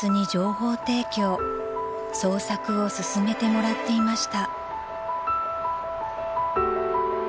［捜索を進めてもらっていました］